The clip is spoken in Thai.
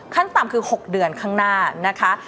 ขั้นต่ำคือ๖เดือนข้างหน้านะคะ